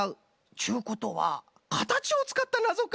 ちゅうことはかたちをつかったなぞか。